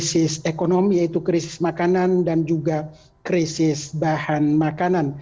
krisis ekonomi yaitu krisis makanan dan juga krisis bahan makanan